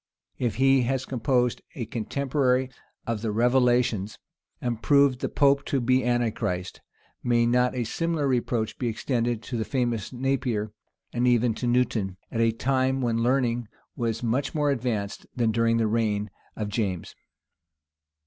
If he has composed a commentary on the Revelations, and proved the pope to be Antichrist; may not a similar reproach be extended to the famous Napier; and even to Newton, at a time when learning was much more advanced than during the reign of James?